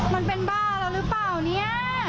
มันเป็นบ้าเราหรือเปล่าเนี่ย